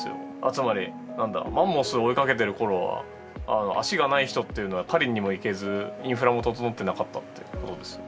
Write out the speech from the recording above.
つまり何だマンモスを追いかけてる頃は足がない人っていうのは狩りにも行けずインフラも整ってなかったってことですよね。